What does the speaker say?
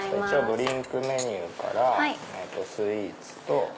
ドリンクメニューからスイーツと。